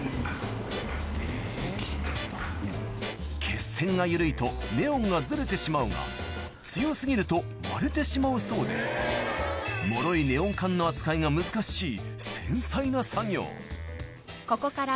結線が緩いとネオンがずれてしまうが強過ぎると割れてしまうそうでもろいネオン管の扱いが難しい